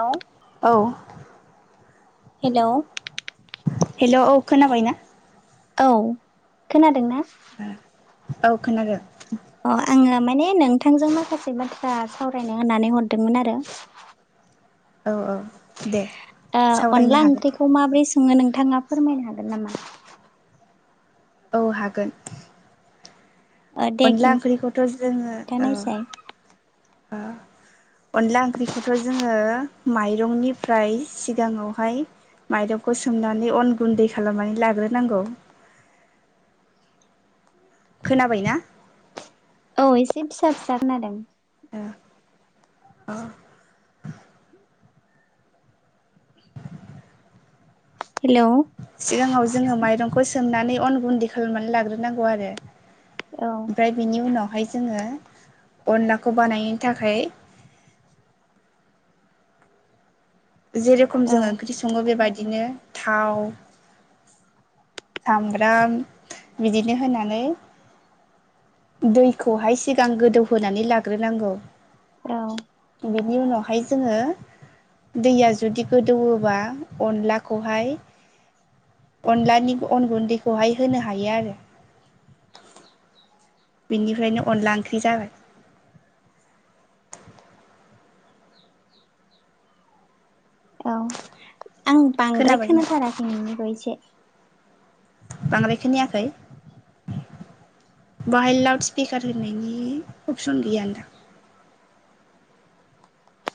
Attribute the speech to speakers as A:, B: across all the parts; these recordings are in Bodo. A: औ
B: औ
A: हेलौ
B: हेल' औ खोनाबायना?
A: औ खोनादों ना?
B: औ खोनादों
A: अ आङो माने नोंथांजों माखासे बाथ्रा सावरायनो होननानै हरदोंमोन आरो
B: औ औ दे
A: दा
B: सावरायनो
A: अनला
B: हागोन दे
A: ओंख्रिखौ माबोरै सङो नोंथाङा फोरमायनो हागोन नामा?
B: औ हागोन।
A: ओ दे
B: अनला ओंख्रिखौथ' जोङो ओ
A: खिन्थानायसाय
B: ओ अनला ओंख्रिखौथ' जोङो माइरंनिफ्राय सिगाङाव हाय माइरंखौ सोमनानै अन गुन्दै खालामनानै लाग्रोनांगौ खोनाबाय ना?
A: औ एसे फिसा फिसा खोनादों।
B: ओ अ
A: हेलौ
B: सिगाङाव जोङो माइरंखौ सोमनानै अन गुन्दै खालामनानै लाग्रोनांगौ आरो
A: औ
B: ओमफ्राय बिनि उनावहाय जोङो अनलाखौ बानायनो थाखाय जेरेखम
A: औ
B: जों ओंख्रि सङो बेबायदिनो थाव सामब्राम बिदिनो होनानै दैखौहाय सिगां गोदौहोनानै लाग्रोनांगौ
A: औ
B: बेनि उनावहाय जोङो दैया जुदि गोदौयोबा अनलाखौहाय अनलानि अन गुन्दैखौहाय होनो हायो आरो बिनिफ्रायनो अनला ओंख्रि जाबाय।
A: औ आं बांद्राय
B: खोनाबाय ना
A: खोनाथाराखै नोंनिखौ एसे
B: बांद्राय खोनायाखै? बाहाय लाउड स्पिकार होनायनि अपसन गैय दां?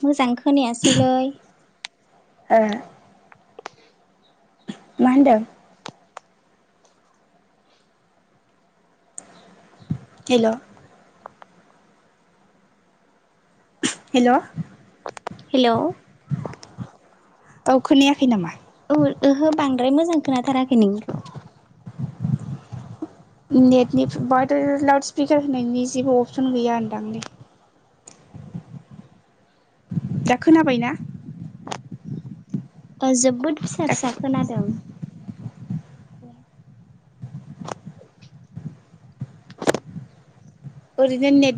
A: मोजां खोनायासैलै
B: ओ मा होनदों? हेल हेल'
A: हेल'
B: औ खोनायाखै नामा?
A: औ ओहो बांद्राय मोजां खोनाथाराखै नोंनिखौ
B: नेटनि ब लाउद स्पिकार होनायनि जेबो अपसन गैया होनदांलै दा खोनाबायना?
A: ओ जोबोद फिसा
B: दा
A: फिसा खोनादों
B: ओरैनो नेत